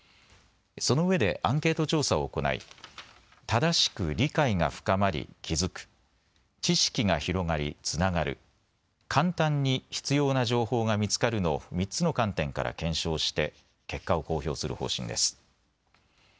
そのうえでアンケート調査を行い正しく理解が深まり、気付く知識が広がり、つながる簡単に必要な情報が見つかるの３つの観点から検証して結果を公表する方針です。